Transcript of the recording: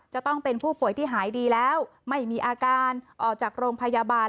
จะต้องเป็นผู้ป่วยที่หายดีแล้วไม่มีอาการออกจากโรงพยาบาล